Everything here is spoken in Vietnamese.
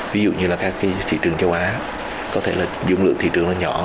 ví dụ như là các cái thị trường châu á có thể là dung lượng thị trường nó nhỏ